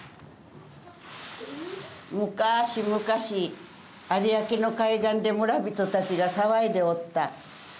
昔々有明の海岸で村人たちが騒いでおった。